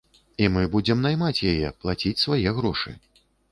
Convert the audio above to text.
І мы будзем наймаць яе, плаціць свае грошы.